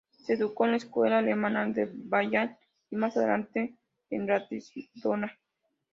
Se educó en la escuela elemental de Bayreuth y más adelante en Ratisbona.